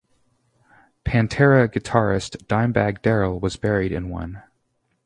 Pantera guitarist Dimebag Darrell was buried in one.